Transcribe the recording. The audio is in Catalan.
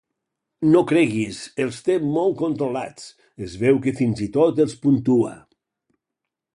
No creguis, els té molt controlats, es veu que fins i tot els puntua.